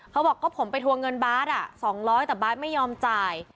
เขาบอกก็ผมไปทัวเงินบาร์ดอะ๒๐๐แต่บาร์ดไม่ยอมจ่าย